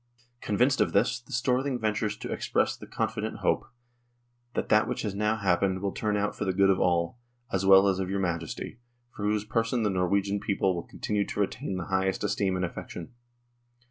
"Convinced of this, the Storthing ventures to express the confident hope that that which has now happened will turn out for the good of all, as well as of your Majesty, for whose person the Norwegian people will continue to retain the highest esteem and affection."